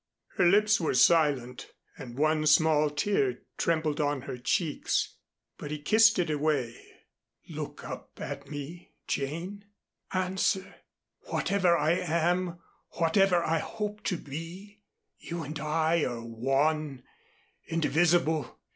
Her lips were silent, and one small tear trembled on her cheeks. But he kissed it away. "Look up at me, Jane. Answer. Whatever I am, whatever I hope to be, you and I are one indivisible.